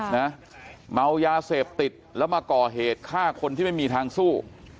เมายาเสพติดแล้วมาก่อเหตุฆ่าคนที่ไม่มีทางสู้